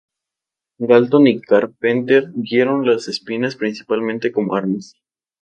Galton y Carpenter vieron a las espinas principalmente como armas.